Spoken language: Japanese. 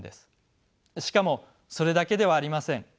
しかもそれだけではありません。